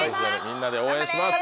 みんなで応援します。